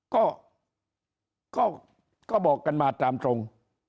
ก็บอกกันมาตามตรง